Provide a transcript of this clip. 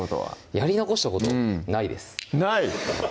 やり残したことないですない！